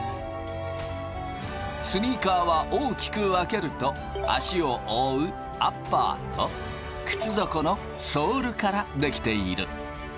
スニーカーは大きく分けると足を覆うアッパーと靴底のソールから出来ている。